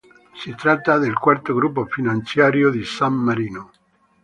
Si tratta del quarto gruppo finanziario di San Marino..